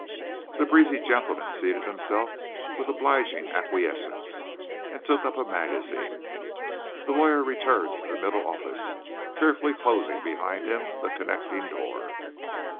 The breezy gentleman seated himself with obliging acquiescence, and took up a magazine. The lawyer returned to the middle office, carefully closing behind him the connecting door.